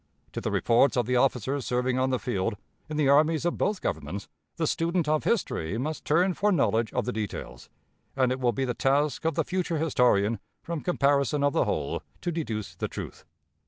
To the reports of the officers serving on the field, in the armies of both Governments, the student of history must turn for knowledge of the details, and it will be the task of the future historian, from comparison of the whole, to deduce the truth.